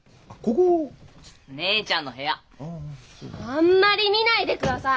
あんまり見ないでください。